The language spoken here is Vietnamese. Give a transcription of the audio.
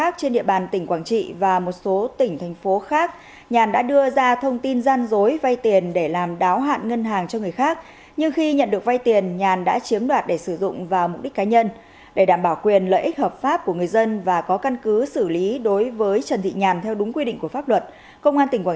công an tỉnh quảng trị đã ra quyết định khởi tố vụ án hình sự đối tượng trần thị nhàn lừa đảo chiếm đoạt tài sản và áp dụng biện pháp bắt bị can để tạm giam đối với trần thị nhàn chú tại địa phương